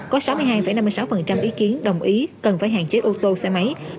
có sáu mươi hai năm mươi sáu ý kiến đồng ý cần phải hạn chế ô tô xe máy